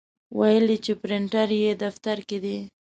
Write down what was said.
ویل یې چې پرنټر یې دفتر کې دی.